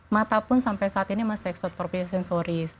mata pun sampai saat ini masih extrovert tropis sensoris